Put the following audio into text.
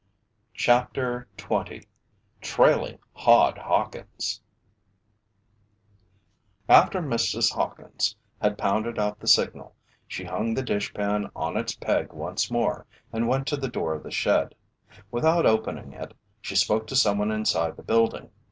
CHAPTER 20 TRAILING HOD HAWKINS After Mrs. Hawkins had pounded out the signal, she hung the dishpan on its peg once more, and went to the door of the shed. Without opening it, she spoke to someone inside the building.